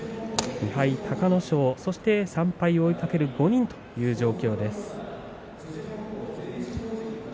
２敗、隆の勝３敗、追いかける５人という状況です。